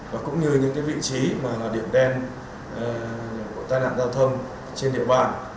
và cũng như những vị trí mà là điểm đen của tai nạn giao thông trên địa bàn